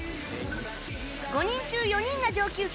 ５人中４人が上級生